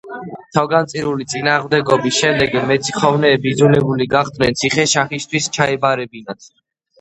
თავგანწირული წინააღმდეგობის შემდეგ მეციხოვნეები იძულებული გახდნენ ციხე შაჰისთვის ჩაებარებინათ.